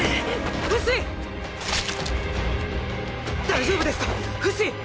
大丈夫ですか⁉フシ！